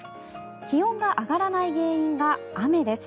気温が上がらない原因が雨です。